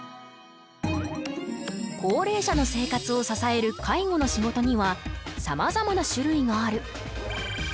高齢者の生活を支える介護の仕事にはさまざまな種類がある。